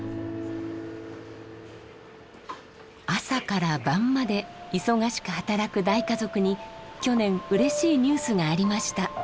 朝から晩まで忙しく働く大家族に去年うれしいニュースがありました。